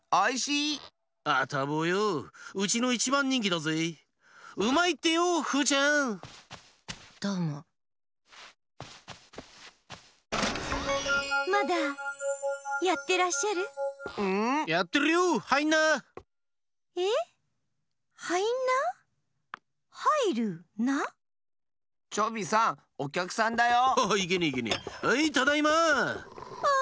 はいただいま！